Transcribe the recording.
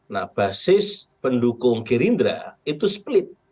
nah basis pendukung gerindra itu split